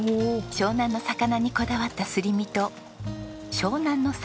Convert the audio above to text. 湘南の魚にこだわったすり身と湘南のサザエにしらす。